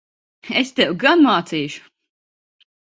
Es tevi gan mācīšu!